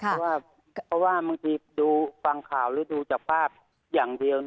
เพราะว่าบางทีดูฟังข่าวหรือดูจากภาพอย่างเดียว